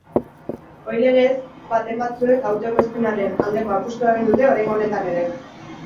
Ohi legez, baten batzuek auto-ekoizpenaren aldeko apustua egin dute oraingo honetan ere.